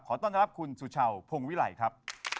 ต้อนรับคุณสุชาวพงวิไลครับ